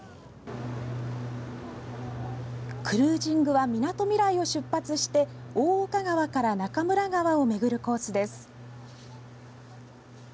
クルージングはみなとみらいを出発して大岡川から中村川を巡るコースです。